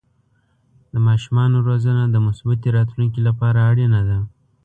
د ماشومانو روزنه د مثبتې راتلونکې لپاره اړینه ده.